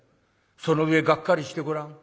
その上がっかりしてごらん。